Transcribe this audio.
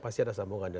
pasti ada sambungannya